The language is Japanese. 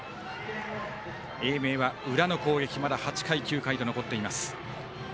英明は裏の攻撃まだ８回、９回と残っています。